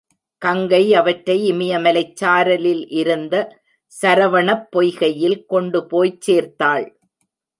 கங்கை அவற்றை இமயமலைச் சாரலில் இருந்த சரவணப் பொய்கையில் கொண்டு போய்ச் சேர்த்தாள்.